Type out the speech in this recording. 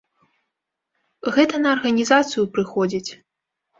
Гэта на арганізацыю прыходзіць.